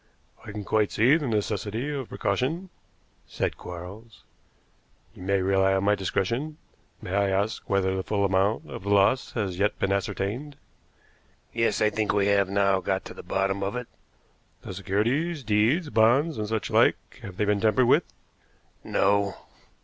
"I can quite see the necessity of precaution," said Quarles. "You may rely on my discretion. May I ask whether the full amount of the loss has yet been ascertained?" "Yes, I think we have now got to the bottom of it." "The securities deeds, bonds, and such like have they been tampered with?" "No."